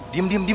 diam diam diam